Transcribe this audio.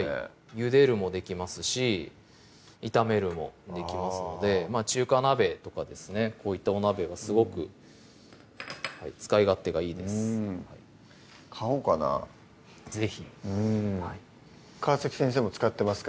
ゆでるもできますし炒めるもできますので中華鍋とかですねこういったお鍋はすごく使い勝手がいいです買おうかな是非川先生も使ってますか？